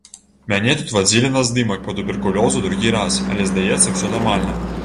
Мяне тут вадзілі на здымак па туберкулёзу другі раз, але, здаецца, усё нармальна.